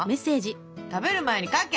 「食べる前に描け」。